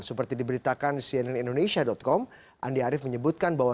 seperti diberitakan cnn indonesia com andi arief menyebutkan bahwa